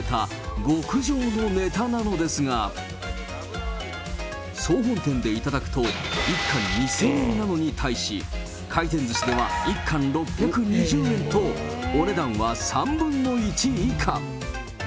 豊洲で一番ともいわれるマグロ専門の仲卸、やま幸から仕入れた極上のネタなのですが、総本店で頂くと、１貫２０００円なのに対し、回転ずしでは１貫６２０円と、お値段は３分の１以下。